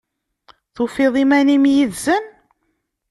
Tufiḍ iman-im yid-sen?